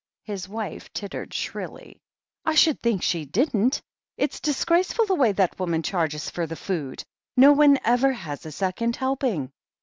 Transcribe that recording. His wife tittered shrilly. "I should think she didn't ! It's disgraceful the way that woman charges for the food. No one ever has a second helping."